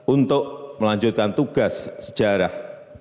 untuk melanjutkan tugas sejarah